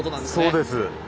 そうです。